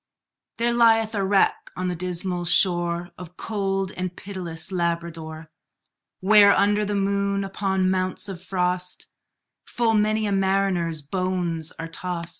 There lieth a wreck on the dismal shore Of cold and pitiless Labrador; Where, under the moon, upon mounts of frost, Full many a mariner's bones are tost.